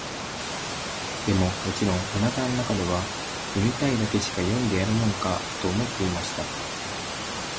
でも、もちろん、お腹の中では、読みたいだけしか読んでやるもんか、と思っていました。